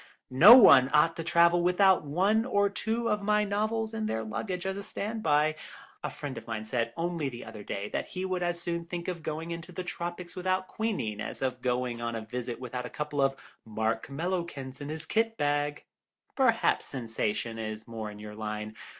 No one ought to travel without one or two of my novels in their luggage as a stand by. A friend of mine said only the other day that he would as soon think of going into the tropics without quinine as of going on a visit without a couple of Mark Mellowkents in his kit bag. Perhaps sensation is more in your line.